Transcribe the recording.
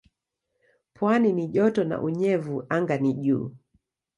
Pwani ni joto na unyevu anga ni juu.